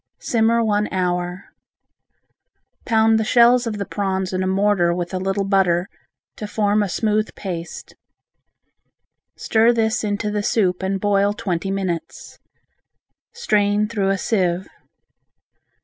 Simmer one hour. Pound the shells of the prawns in a mortar with a little butter, to form a smooth paste. Stir this into the soup and boil twenty minutes. Strain through a sieve.